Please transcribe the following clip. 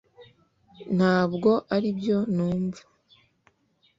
ntabwo aribyo numva